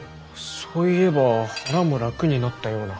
そういえば腹も楽になったような。